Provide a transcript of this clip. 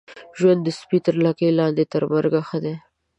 ژوند د سپي تر لکۍ لاندي ، تر مرګ ښه دی.